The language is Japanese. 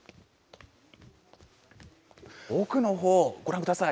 奥の方ご覧ください。